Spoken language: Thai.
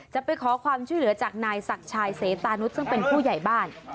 จะไปขอความช่วยเหลือจากนายศักดิ์ชายเสตานุษย์ซึ่งเป็นผู้ใหญ่บ้าน